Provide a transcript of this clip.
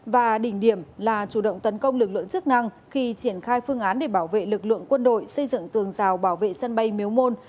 và đỉnh điểm là chủ động tấn công lực lượng chức năng khi triển khai phương án để bảo vệ lực lượng quân đội xây dựng tường rào bảo vệ sân bay miếu môn